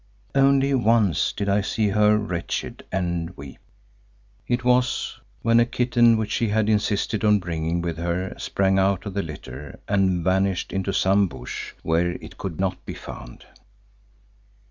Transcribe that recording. Only once did I see her wretched and weep. It was when a kitten which she had insisted on bringing with her, sprang out of the litter and vanished into some bush where it could not be found.